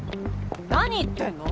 何言ってんの？